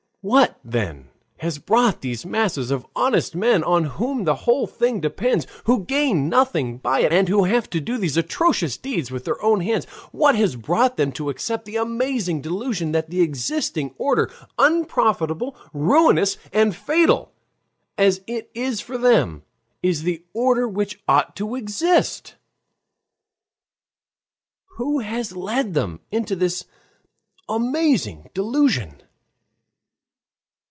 What, then, has brought these masses of honest men, on whom the whole thing depends, who gain nothing by it, and who have to do these atrocious deeds with their own hands, what has brought them to accept the amazing delusion that the existing order, unprofitable, ruinous, and fatal as it is for them, is the order which ought to exist? Who has led them into this amazing delusion?